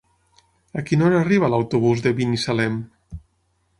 A quina hora arriba l'autobús de Binissalem?